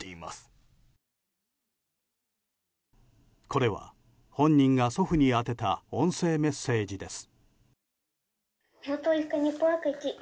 これは、本人が祖父に宛てた音声メッセージです。